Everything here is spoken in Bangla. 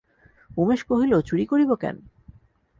উমেশ কহিল, চুরি করিব কেন?